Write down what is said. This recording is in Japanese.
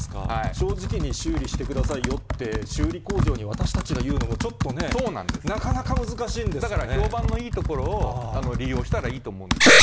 正直に修理してくださいよって、修理工場に私たちが言うのもちょだから、評判のいいところを利用したらいいと思うんですね。